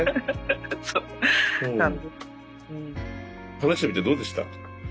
話してみてどうでした？